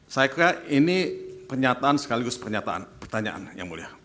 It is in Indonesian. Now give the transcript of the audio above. saya kira ini pernyataan sekaligus pertanyaan yang mulia